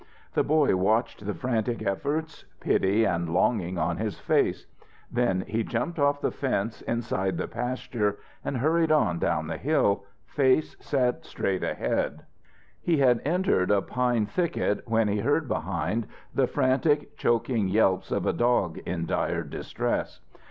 The boy watched the frantic efforts, pity and longing on his face; then he jumped off the fence inside the pasture and hurried on down the hill, face set straight ahead. He had entered a pine thicket when he heard behind the frantic, choking yelps of a dog in dire distress.